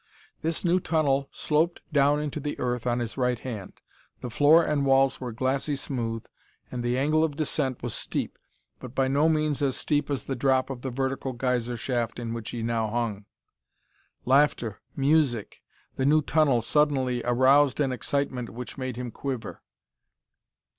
This new tunnel sloped down into the earth on his right hand. The floor and walls were glassy smooth, and the angle of descent was steep, but by no means as steep as the drop of the vertical geyser shaft in which he now hung. Laughter, music, the new tunnel suddenly aroused an excitement which made him quiver.